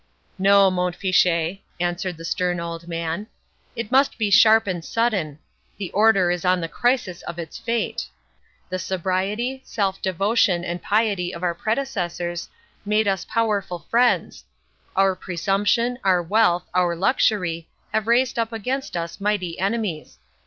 "No, Mont Fitchet," answered the stern old man—"it must be sharp and sudden—the Order is on the crisis of its fate. The sobriety, self devotion, and piety of our predecessors, made us powerful friends—our presumption, our wealth, our luxury, have raised up against us mighty enemies.